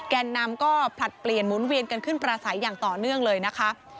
แก่นนำก็ผลัดเปลี่ยนหมุนเวียนกันขึ้นประสัยอย่างต่อเนื่องเลยนะคะ